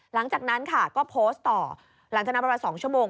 หลังจากนั้นค่ะก็โพสต์ต่อหลังจากนั้นประมาณ๒ชั่วโมง